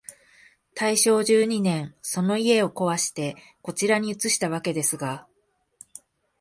大正十二年、その家をこわして、こちらに移したわけですが、